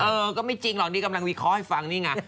เออก็ไม่จริงหรอกนี่กำลังวิเคราะห์ให้ฟังนี่ไง